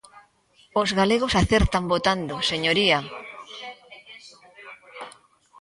Os galegos acertan votando, señoría.